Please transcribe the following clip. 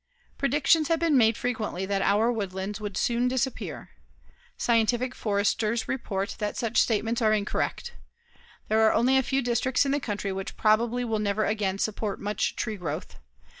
Predictions have been made frequently that our woodlands would soon disappear. Scientific foresters report that such statements are incorrect. There are only a few districts in the country which probably will never again support much tree growth.